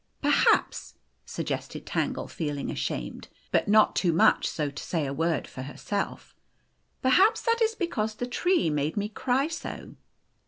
" Perhaps," suggested Tangle, feeling ashamed, but not too much so to say a word for herself "perhaps that is because the tree made me cry so."